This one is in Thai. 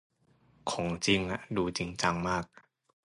ของจริงฮะ ดูจริงจังมาก